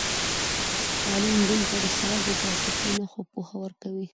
تعلیم نجونو ته د سړک د ترافیکي نښو پوهه ورکوي.